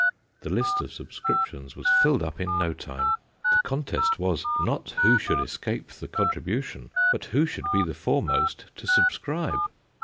The list of subscriptions was filled up in no time ; the contest was, not who should escape the contribution, but who should be the foremost to subscribe.